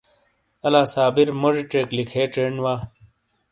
الہ صابر موزی ژیک لکے چھین وا۔